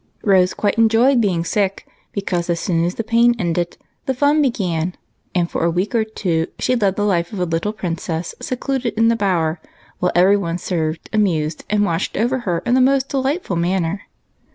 Rose quite enjoyed being sick, because as soon as the pain ended the fun began, and for a w^eek or two she led the life of a little princess secluded in the Bower, while every one served, amused, and watched over her in the most delightful manner.